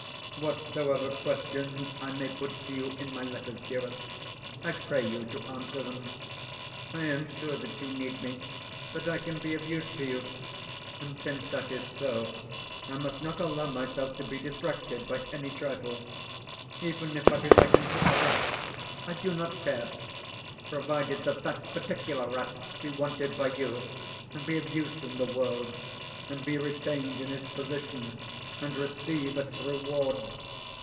Whatsoever questions I may put to you in my letters, dearest, I pray you to answer them. I am sure that you need me, that I can be of use to you; and, since that is so, I must not allow myself to be distracted by any trifle. Even if I be likened to a rat, I do not care, provided that that particular rat be wanted by you, and be of use in the world, and be retained in its position, and receive its reward.